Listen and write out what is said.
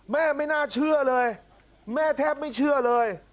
ไม่น่าเชื่อเลยแม่แทบไม่เชื่อเลย